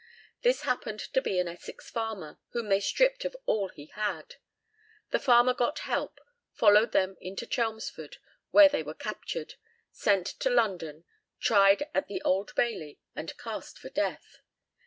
This happened to be an Essex farmer, whom they stripped of all he had. The farmer got help, followed them into Chelmsford, where they were captured, sent to London, tried at the Old Bailey, and cast for death.